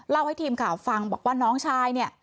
ให้ทีมข่าวฟังบอกว่าน้องชายเนี่ย